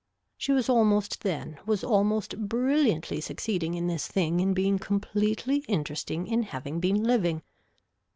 She was almost then, was almost brilliantly succeeding in this thing in being completely interesting in having been living.